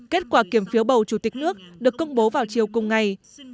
kết quả kiểm phiếu bầu chủ tịch nước được công bố vào chiều cùng ngày